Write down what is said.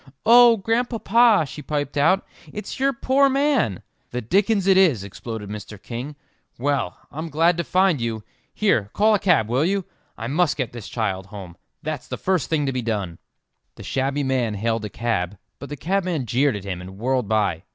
"Oh, Grandpapa," she piped out, "it's your poor man!" "The dickens it is!" exploded Mr. King. "Well, I'm glad to find you. Here, call a cab, will you? I must get this child home; that's the first thing to be done." The shabby man hailed a cab, but the cabman jeered at him and whirled by.